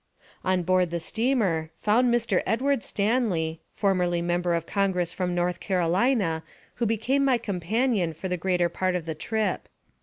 On board the steamer, found Mr. Edward Stanley, formerly member of Congress from North Carolina, who became my companion for the greater part of my trip.